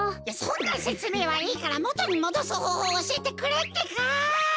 いやそんなせつめいはいいからもとにもどすほうほうをおしえてくれってか！